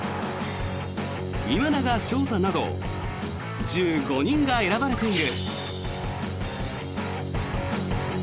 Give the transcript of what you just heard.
今永昇太など１５人が選ばれている。